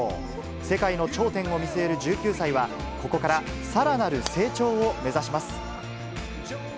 世界の頂点を見据える１９歳は、ここからさらなる成長を目指します。